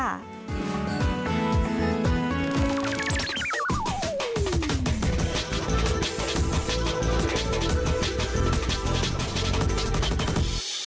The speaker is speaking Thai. โปรดติดตามตอนต่อไป